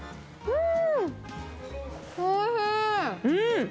うん。